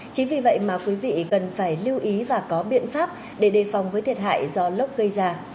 chính vì vậy mà quý vị cần phải lưu ý và có biện pháp để đề phòng với thiệt hại do lốc gây ra